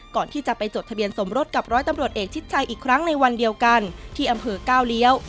ก่อนที่จะไปจดทะเบียนสมรสกับร้อยตำรวจเอกชิดชัยอีกครั้งในวันเดียวกันที่อำเภอก้าวเลี้ยว